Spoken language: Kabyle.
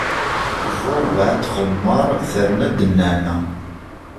Bu rebɛa n tɣemmar, terna-d nneɛma.